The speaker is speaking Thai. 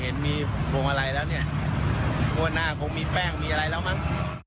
เห็นมีพวงมาลัยแล้วเนี่ยงวดหน้าคงมีแป้งมีอะไรแล้วมั้ง